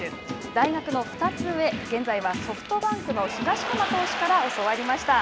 大学の２つ上現在はソフトバンクの東浜投手から教わりました。